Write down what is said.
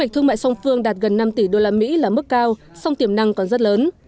thương mại song phương đạt gần năm tỷ usd là mức cao song tiềm năng còn rất lớn